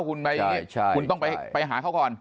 คุณต้องไปหาเขาก่อน